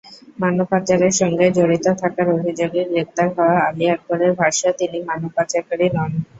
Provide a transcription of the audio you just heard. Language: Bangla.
মানবপাচারের সঙ্গে জড়িত থাকার অভিযোগে গ্রেপ্তার হওয়া আলী আকবরের ভাষ্য, তিনি মানবপাচারকারী নন।